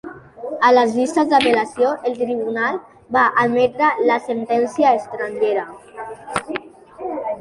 A les vistes d'apel·lació, el tribunal va admetre la sentència estrangera.